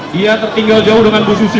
dia tertinggal jauh dengan bu susi